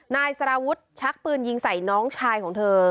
นายสารวุฒิชักปืนยิงใส่น้องชายของเธอ